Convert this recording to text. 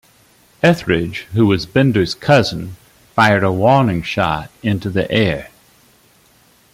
Etheridge, who was Bender's cousin, fired a warning shot into the air.